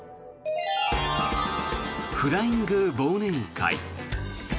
フライング忘年会。